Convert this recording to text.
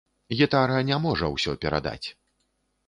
Гітара не можа ўсё перадаць.